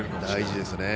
大事ですね。